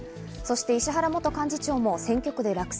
石原元幹事長も選挙区で落選。